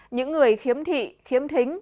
những người khiếm thị khiếm thính